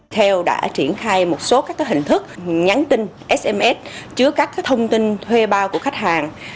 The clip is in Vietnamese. theo đã triển khai một số các hình thức nhắn tin sms chứa các thông tin thuê bao của khách hàng